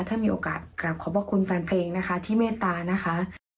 ถ้ามีโอกาสกลับขอบพระคุณแฟนเพลงนะคะที่เมตตานะคะ